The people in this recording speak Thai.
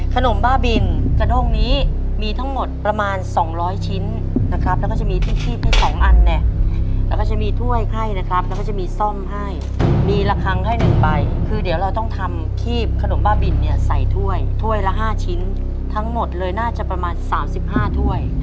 บ้าบินกระด้งนี้มีทั้งหมดประมาณ๒๐๐ชิ้นนะครับแล้วก็จะมีที่คีบที่๒อันเนี่ยแล้วก็จะมีถ้วยให้นะครับแล้วก็จะมีซ่อมให้มีละครั้งให้หนึ่งใบคือเดี๋ยวเราต้องทำคีบขนมบ้าบินเนี่ยใส่ถ้วยถ้วยละ๕ชิ้นทั้งหมดเลยน่าจะประมาณ๓๕ถ้วย